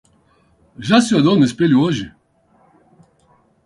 Já se olhou no espelho hoje?